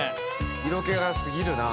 色気がすぎるな。